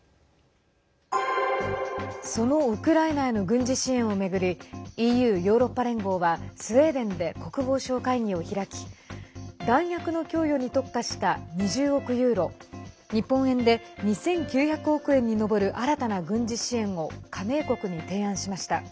そのウクライナへの軍事支援を巡りＥＵ＝ヨーロッパ連合はスウェーデンで国防相会議を開き弾薬の供与に特化した２０億ユーロ日本円で２９００億円に上る新たな軍事支援を加盟国に提案しました。